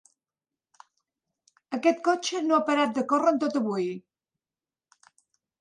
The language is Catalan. Aquest cotxe no ha parat de córrer en tot avui.